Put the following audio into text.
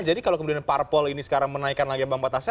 jadi kalau kemudian parpol ini sekarang menaikkan lagi bang patasa